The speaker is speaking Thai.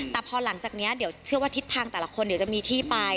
แต่พอหลังจากนี้เดี๋ยวเชื่อว่าทิศทางแต่ละคนเดี๋ยวจะมีที่ไป